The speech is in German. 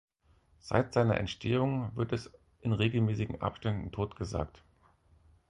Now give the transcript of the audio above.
Seit seiner Entstehung wird es in regelmäßigen Abständen totgesagt.